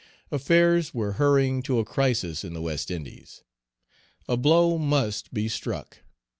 Affairs were hurrying to a crisis in the West Indies. A blow must be struck.